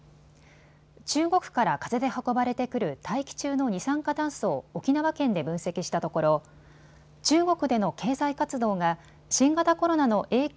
中国から風で運ばれてくる大気中の二酸化炭素を沖縄県で分析したところ中国での経済活動が新型コロナの影響